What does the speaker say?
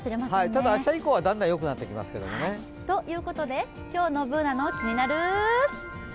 ただ、明日以降はだんだんよくなっていきますけどねということで、今日の「ＢｏｏｎａのキニナルＬＩＦＥ」。